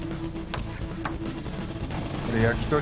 これ焼き鳥。